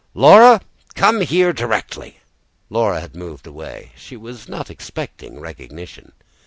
"Laura, come here, directly!" Laura had moved away; she was not expecting recognition.